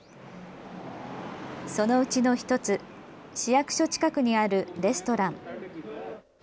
そのうちの１つ、市役所近くにあるレストラン。